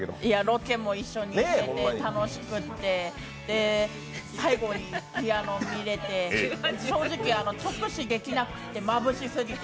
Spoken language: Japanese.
ロケも一緒にいけて楽しくて、最後にピアノを見れて正直、直視できなくてまぶしすぎて。